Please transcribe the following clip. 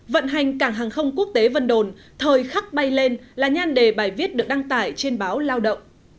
vận hành cảng hàng không quốc tế vân đồn thời khắc bay lên là nhan đề bài viết được đăng tải trên báo lao động